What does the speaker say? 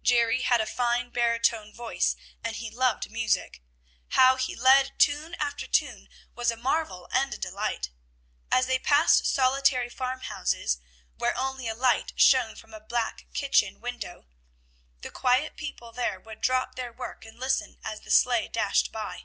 Jerry had a fine baritone voice, and he loved music. How he led tune after tune was a marvel and a delight. As they passed solitary farmhouses, where only a light shone from a back kitchen window, the quiet people there would drop their work and listen as the sleigh dashed by.